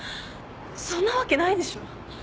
そんなわけないでしょ？